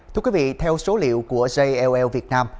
thưa quý vị theo số liệu của jll việt nam